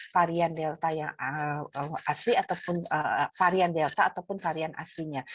varian delta yang asli ataupun varian delta ataupun varian aslinya